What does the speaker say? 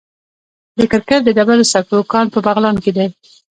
د کرکر د ډبرو سکرو کان په بغلان کې دی.